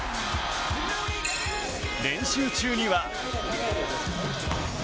練習中には。